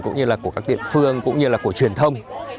cũng như là của các địa phương cũng như là của truyền thông